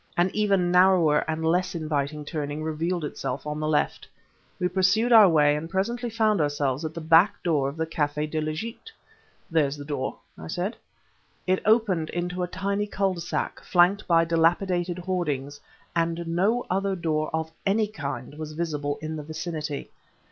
An even narrower and less inviting turning revealed itself on the left. We pursued our way, and presently found ourselves at the back of the Café de l'Egypte. "There's the door," I said. It opened into a tiny cul de sac, flanked by dilapidated hoardings, and no other door of any kind was visible in the vicinity.